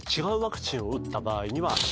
違うワクチンを打った場合には。